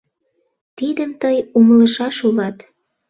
Тидым тый умылышаш улат.